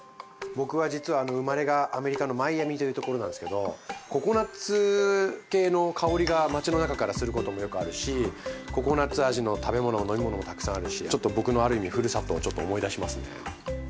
僕は実は生まれがアメリカのマイアミというところなんですけどココナツ系の香りが街の中からすることもよくあるしココナツ味の食べ物飲み物もたくさんあるしちょっと僕のある意味ふるさとをちょっと思い出しますね。